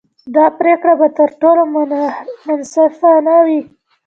دا پرېکړه به تر ټولو منصفانه وي.